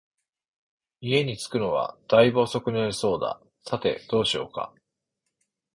家に着くのは大分遅くなりそうだ、さて、どうしようか